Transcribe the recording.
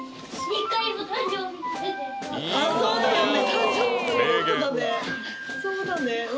そうだね